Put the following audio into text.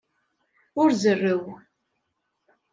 Ur zerrew.